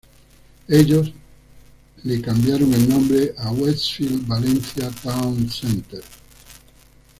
Ellos ele cambiaron el nombre a "Westfield Valencia Town Center".